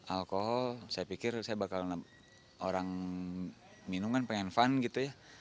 alkohol saya pikir saya bakal orang minum kan pengen fun gitu ya